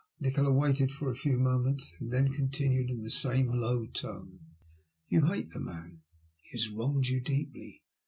Nikola waited for a few moments and then continued in the same low tone —Ton hate the man. He has wronged you deeply.